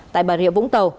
tại bà rịa vũng tàu